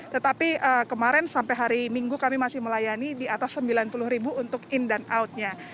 tetapi kemarin sampai hari minggu kami masih melayani di atas sembilan puluh untuk in dan outnya